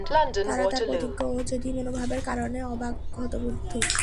তারা তার প্রতিজ্ঞা ও জেদি মনোভাবের কারণে অবাক, হতবুদ্ধি।